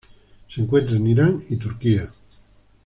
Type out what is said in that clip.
Se encuentra en Irán y Turquía.